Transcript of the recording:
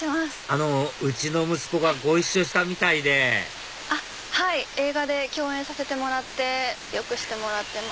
あのうちの息子がご一緒したみたいで映画で共演させてもらってよくしてもらってます。